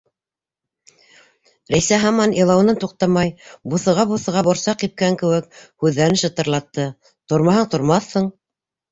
Рәйсә, һаман илауынан туҡтамай, буҫыға-буҫыға, борсаҡ һипкән кеүек, һүҙҙәрен шытырлатты: - Тормаһаң, тормаҫһың?